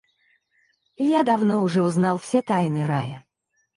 Я давно уже узнал все тайны рая.